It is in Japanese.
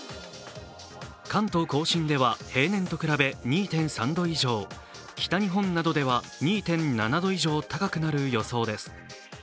関東甲信では平年と比べ２．３度以上、北日本などでは２．７度以上高くなる予想です。